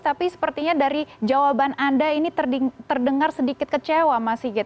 tapi sepertinya dari jawaban anda ini terdengar sedikit kecewa mas sigit